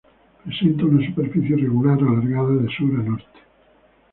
Presenta una superficie irregular: alargada de sur a norte.